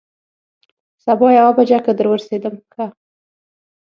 سبا یوه بجه که در ورسېدم، ښه.